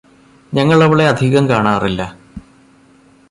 ഞങ്ങള് അവളെ അധികം കാണാറില്ല